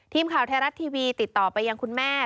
ทีมข่าวไทยรัฐทีวีติดต่อไปยังคุณแม่